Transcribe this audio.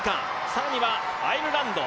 さらにはアイルランド。